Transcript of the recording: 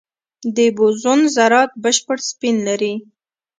د بوزون ذرات بشپړ سپین لري.